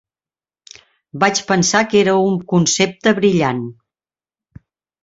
Vaig pensar que era un concepte brillant.